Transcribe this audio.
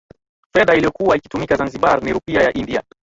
fedha iliyokuwa ikitumika zanzibar ni rupia ya india